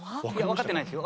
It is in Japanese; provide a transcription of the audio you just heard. わかってないですよ。